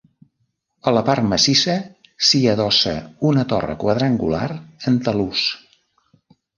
A la part massissa s'hi adossa una torre quadrangular, en talús.